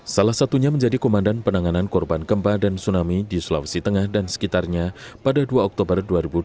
salah satunya menjadi komandan penanganan korban gempa dan tsunami di sulawesi tengah dan sekitarnya pada dua oktober dua ribu dua puluh